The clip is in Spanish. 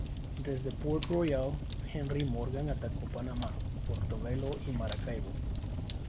Desde Port Royal, Henry Morgan atacó Panamá, Portobelo y Maracaibo.